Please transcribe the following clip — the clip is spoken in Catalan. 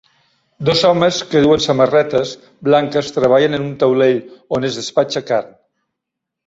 Dos homes que duen samarretes blanques treballen en un taulell on es despatxa carn.